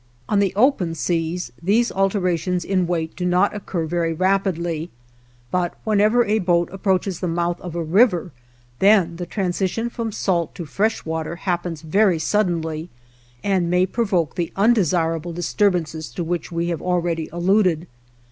On the open seas these alterations in weight do not occur very rapidly; but whenever a boat approaches the mouth of a river, then the transition from salt to fresh water happens very suddenly and may provoke the undesirable disturbances to which we have already alluded.